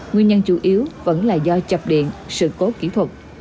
nguyên nhân chủ yếu vẫn là do chập điện sự cố kỹ thuật